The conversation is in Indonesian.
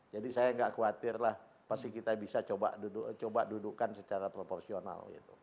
jadi saya tidak khawatirlah pasti kita bisa coba dudukan secara proporsional